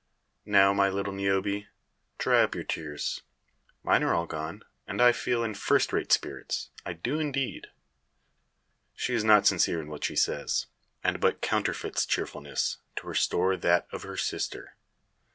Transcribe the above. Now, my little Niobe, dry up your tears. Mine are all gone, and I feel in first rate spirits. I do indeed." She is not sincere in what she says, and but counterfeits cheerfulness to restore that of her sister.